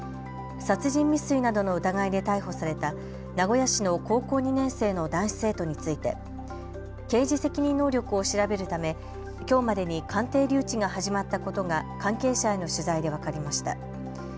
殺人未遂などの疑いで逮捕された名古屋市の高校２年生の男子生徒について刑事責任能力を調べるためきょうまでに鑑定留置が始まったことが関係者への取材で分かりました。